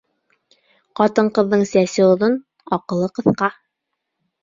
Ҡатын-ҡыҙҙың сәсе оҙон, аҡылы ҡыҫҡа.